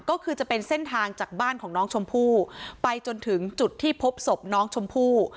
ก็คือจะเป็นเส้นทางจากบ้านของน้องชมพู่ไปจนถึงจุดที่พบศพน้องชมพู่